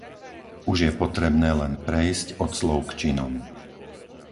Už je potrebné len prejsť od slov k činom.